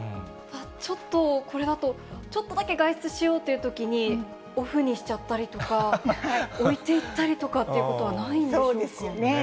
ちょっとこれだと、ちょっとだけ外出しようというときに、オフにしちゃったりとか、置いていったりっていうことはないんでしょうか。